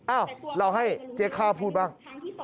อ้าวเราให้เจ๊ข้าวพูดบ้าง